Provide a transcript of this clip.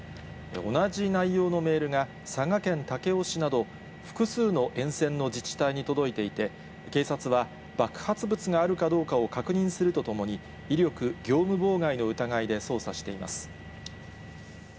同じ内容のメールが佐賀県武雄市など、複数の沿線の自治体に届いていて、警察は、爆発物があるかどうかを確認するとともに、威力業務妨害の疑いで捜査しています。